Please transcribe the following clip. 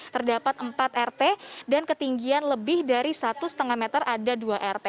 terdapat empat rt dan ketinggian lebih dari satu lima meter ada dua rt